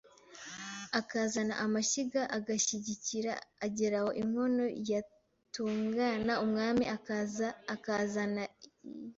Akazana amashyiga Agashyigikira ageraho inkono yatungana umwami akaza akazana i